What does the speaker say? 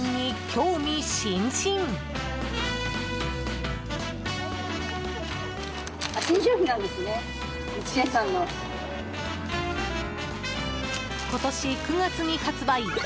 今年９月に発売。